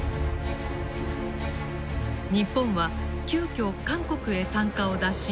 日本は急きょ韓国へ参加を打診。